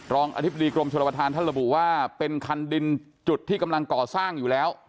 อธิบดีกรมชนประธานท่านระบุว่าเป็นคันดินจุดที่กำลังก่อสร้างอยู่แล้ว